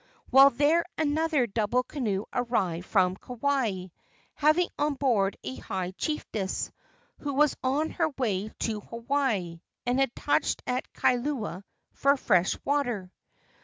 While there another double canoe arrived from Kauai, having on board a high chiefess, who was on her way to Hawaii and had touched at Kailua for fresh water.